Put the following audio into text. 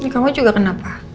kamu juga kenapa